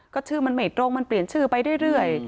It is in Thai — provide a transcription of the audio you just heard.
ก็ชื่อมันไม่ตรงมันเปลี่ยนชื่อไปเรื่อย